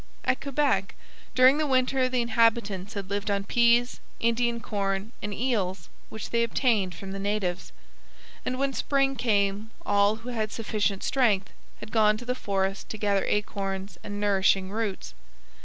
At Quebec during the winter the inhabitants had lived on pease, Indian corn, and eels which they obtained from the natives; and when spring came all who had sufficient strength had gone to the forest to gather acorns and nourishing roots.